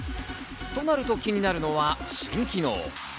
となると気になるのは新機能。